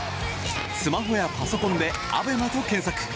スマホやパソコンでＡＢＥＭＡと検索。